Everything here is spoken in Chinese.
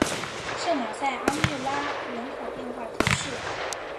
圣马塞昂缪拉人口变化图示